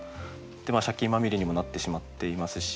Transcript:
借金まみれにもなってしまっていますし